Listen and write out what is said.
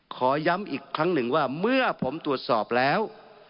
ขอย้ำอีกครั้งหนึ่งว่าเมื่อผมตรวจสอบแล้ว